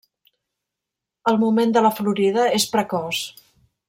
El moment de la florida és precoç.